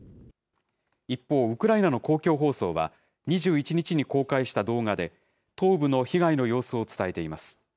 一方、ウクライナの公共放送は、２１日に公開した動画で、東部の被害の様子を伝えています。